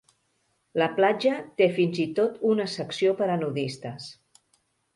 La platja té fins i tot una secció per a nudistes.